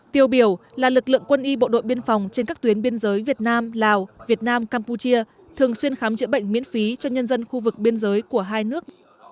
tiêu biểu là lực lượng quân y bộ đội biên phòng trên các tuyến biên giới việt nam lào việt nam campuchia thường xuyên khám chữa bệnh miễn phí cho nhân dân khu vực biên giới của hai nước